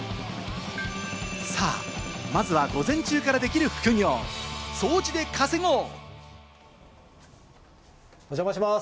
さあ、まずは午前中からできる副業、掃除で稼ごう！